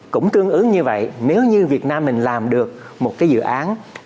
cũng tương ứng như vậy nếu như việt nam mình làm được một cái dự án